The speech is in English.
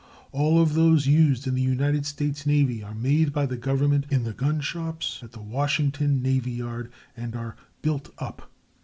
All of those used in the United States navy are made by the government in the gun shops at the Washington navy yard, and are "built up."